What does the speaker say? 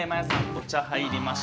お茶入りました。